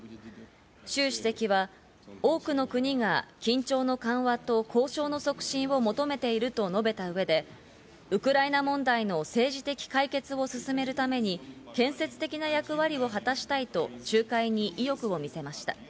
シュウ主席は多くの国が緊張の緩和と交渉の促進を求めていると述べた上で、ウクライナ問題の政治的解決を進めるために建設的な役割を果たしたいと仲介に意欲を見せました。